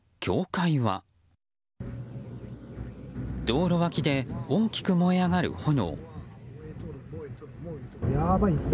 道路脇で大きく燃え上がる炎。